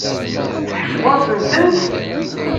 Tekkseḍ-asen-tent.